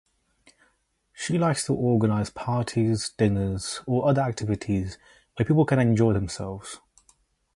She likes to organize parties, dinners, or other activities where people can enjoy themselves.